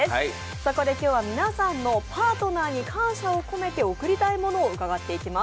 そこで今日は皆さんのパートナーに感謝を込めて贈りたいものを伺っていきます。